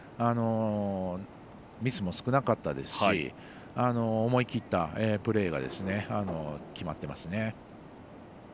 ミスも少なかったですし思い切ったプレーがきまっていますね。